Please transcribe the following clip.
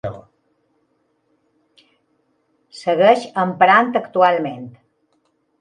Segueix emprant actualment.